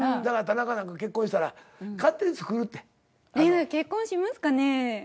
だから田中なんか結婚したら勝手に作るって。結婚しますかね？